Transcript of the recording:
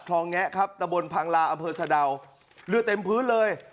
อแงะครับตะบนพังลาอำเภอสะดาวเรือเต็มพื้นเลย